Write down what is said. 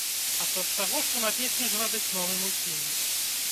Апроч таго, што на песню зробяць новы мультфільм.